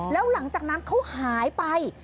แล้วหลังจากนั้นเขาหายไป